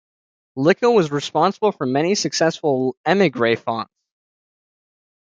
Licko was responsible for many successful Emigre fonts.